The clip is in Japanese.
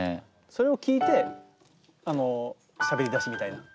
それを聴いてしゃべり出しみたいな。